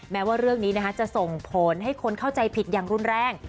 แม้ว่าเรื่องนี้จะส่งผลให้คนเข้าใจผิดอย่างรุนแรง